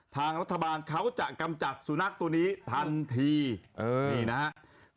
ทางรัฐบาลเขาจะกำจัดสุนัขตัวนี้ทันทีเออนี่นะครับ